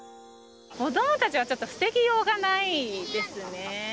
子どもたちはちょっと防ぎようがないですね。